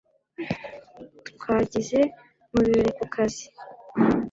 Twagize mubirori ku kazi